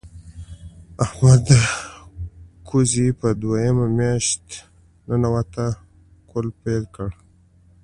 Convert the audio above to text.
احمد د کوزې پر دویمه مياشت ننواته کول پیل کړل.